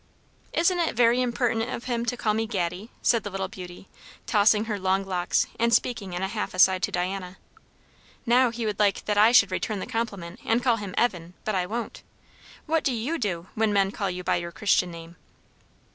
"Isn't it very impertinent of him to call me Gatty?" said the little beauty, tossing her long locks and speaking in a half aside to Diana. "Now he would like that I should return the compliment and call him Evan; but I won't. What do you do, when men call you by your Christian name?"